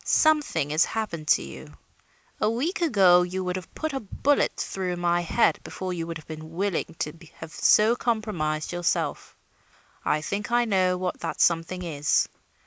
Something has happened to you. A week ago you would have put a bullet through my head before you would have been willing to have so compromised yourself. I think I know what that something is.